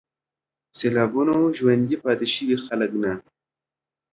سېلابونو ژوندي پاتې شوي خلک نه